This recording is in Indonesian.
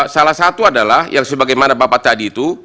salah satu adalah yang sebagaimana bapak tadi itu